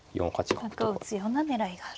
次に角を打つような狙いがあると。